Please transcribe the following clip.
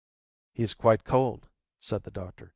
"He's quite cold," said the doctor.